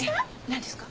何ですか？